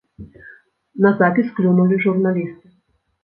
На запіс клюнулі журналісты.